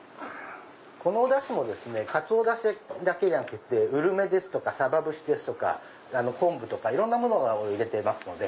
このおダシもカツオだけじゃなくてウルメですとかさば節ですとか昆布とかいろんなものを入れてますので。